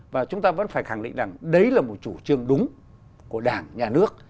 và chúng ta vẫn phải khẳng định rằng đấy là một chủ trương đúng của đảng nhà nước